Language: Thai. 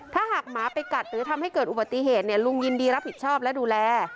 ถ้าหากหมาไปกัดหรือทำให้เกิดอุบัติเหตุลุงยินดีรับผิดชอบและดูแล